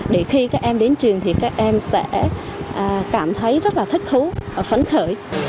để khi các em đến trường thì các em sẽ cảm thấy rất là thích thú phấn khởi